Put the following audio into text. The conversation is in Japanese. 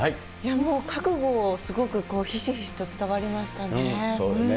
もう覚悟をすごくひしひしと伝わりましたね。